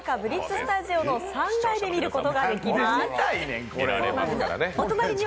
スタジオの３階で見ることができます。